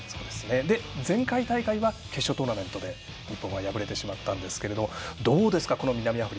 前回大会は決勝トーナメントで日本は敗れてしまったんですけれどもどうですか